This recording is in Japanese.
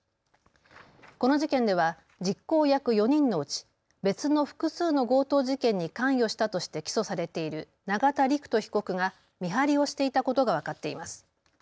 この事件では実行役４人のうち別の複数の強盗事件に関与したとして起訴されている永田陸人被告が見張りをしていたことが分かっています。